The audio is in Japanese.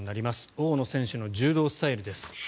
大野選手の柔道スタイルです。